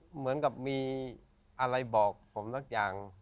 เหมือนกับมีอะไรบอกผมสักอย่าง